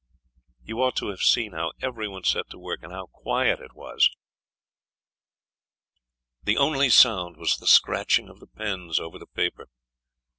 You ought to have seen how everyone set to work, and how quiet it was! The only sound was the scratching of the pens over the paper.